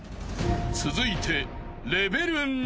［続いて］